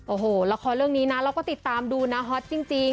โอ้โหละครเรื่องนี้นะเราก็ติดตามดูนะฮอตจริง